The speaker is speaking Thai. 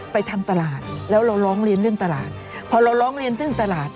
ทำตลาดแล้วเราร้องเรียนเรื่องตลาดพอเราร้องเรียนเรื่องตลาด